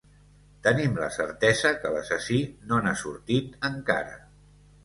Tenim la certesa que l'assassí no n'ha sortit encara.